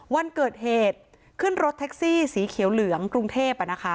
วันเกิดเหตุขึ้นรถแท็กซี่สีเขียวเหลืองกรุงเทพ